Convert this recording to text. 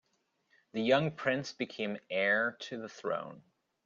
The young prince became heir to the throne.